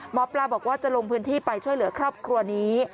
หมอปลาบอกว่าจะลงพื้นที่ไปช่วยเหลือครอบครัวนี้